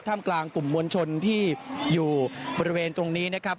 กลางกลุ่มมวลชนที่อยู่บริเวณตรงนี้นะครับ